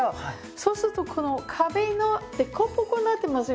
そうするとこの壁の凸凹になってますよね。